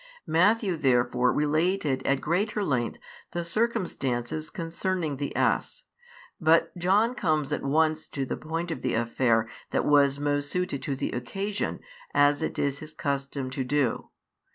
Matthew therefore related at greater length the circumstances concerning the ass; but John comes at once to the point of the affair that was most suited to the occasion, as it is his custom to do.